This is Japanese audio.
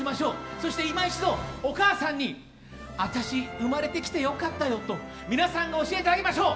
そして今一度、お母さんに私生まれてきて良かったよと皆さんが教えてあげましょう。